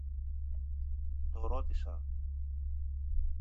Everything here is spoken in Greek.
το ρώτησα.